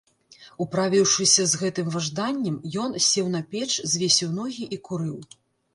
Управіўшыся з гэтым важданнем, ён сеў на печ, звесіў ногі і курыў.